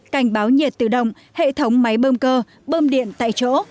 cảnh báo nhiệt tự động hệ thống máy bơm cơ bơm điện tại chỗ